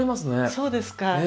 そうですか。